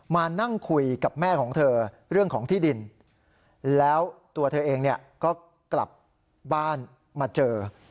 มานั่งคุยกับแม่ของเธอเรื่องของที่ดินแล้วตัวเธอเองเนี่ยก็กลับบ้านมาเจอ